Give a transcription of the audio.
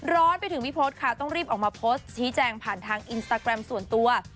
ร้อนไปถึงพี่พศค่ะต้องรีบออกมาโพสต์ชี้แจงผ่านทางอินสตาแกรมส่วนตัว